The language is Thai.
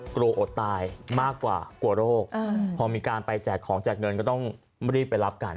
อดตายมากกว่ากลัวโรคพอมีการไปแจกของแจกเงินก็ต้องรีบไปรับกัน